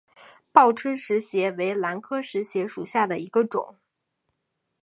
报春石斛为兰科石斛属下的一个种。